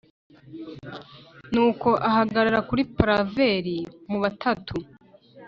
nuko ahagarara kuri palaver mu batatu.